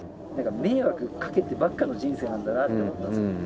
迷惑かけてばっかの人生なんだなって思ったんですよ。